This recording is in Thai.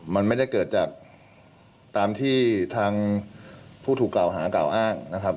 มันไม่ได้เกิดจากตามที่ทางผู้ถูกกล่าวหากล่าวอ้างนะครับ